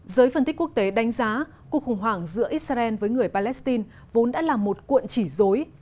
giới phân tích quốc tế đánh giá cuộc khủng hoảng giữa israel với người palestine vốn đã là một cuộn chỉ dối